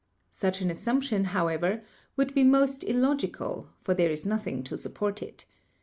Such an assumption, however, would be most illogical, for there is nothing to support it.